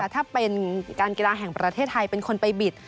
ถ้าเป็นการกีฬาแห่งประเทศไทยเป็นคนไปบิด